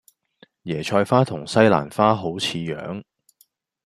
椰菜花同西蘭花好似樣